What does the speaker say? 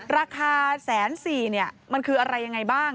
ราคา๑๔๐๐๐๐บาทนี้มันคืออะไรอย่างไรบ้าง